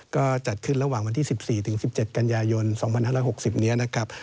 ก็จัดขึ้นระหว่างวันที่๑๔ถึง๑๗กันยายน๒๕๖๐นี้นะครับ